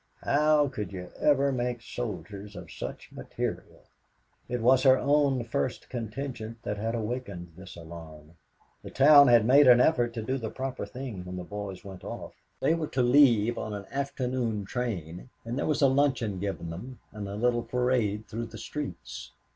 "How could you ever make soldiers of such material?" It was her own first contingent that had awakened this alarm. The town had made an effort to do the proper thing when the boys went off. They were to leave on an afternoon train, and there was a luncheon given them and a little parade through the streets.